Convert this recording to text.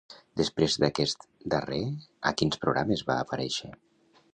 Després d'aquest darrer, a quins programes va aparèixer?